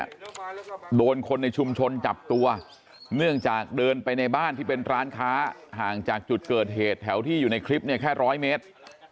โดนคนในชุมชนจับตัวเนื่องจากเดินไปในบ้านที่เป็นร้านค้าห่างจากจุดเกิดเหตุแถวที่อยู่ในคลิปเนี่ยแค่ร้อยเมตร